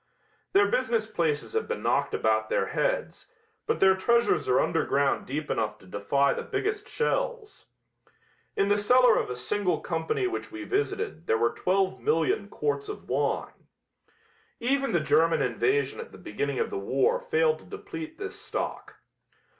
Their business places have been knocked about their heads, but their treasures are underground deep enough to defy the biggest shells. In the cellar of a single company which we visited there were 12,000,000 quarts of wine. Even the German invasion at the beginning of the war failed to deplete this stock.